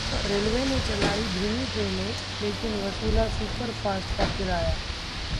railway ने चलाई धीमी ट्रेनें, लेकिन वसूला सुपरफास्ट का किराया